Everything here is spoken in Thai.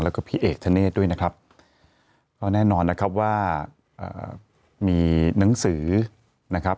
แล้วก็พี่เอกธเนธด้วยนะครับก็แน่นอนนะครับว่ามีหนังสือนะครับ